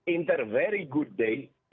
inter hari yang bagus